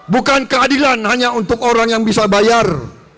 bukan keadilan hanya untuk orang yang bisa bayar